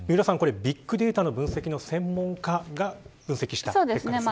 これビッグデータの分析の専門家が分析したんですね。